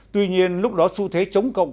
tuy nhiên lúc đó xu thế chống cộng